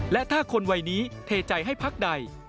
และถ้าคนวัยนี้เทใจให้พักใด